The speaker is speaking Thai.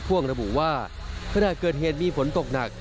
เพราะถ้าเกิดเหตุมีฝนตกหนัก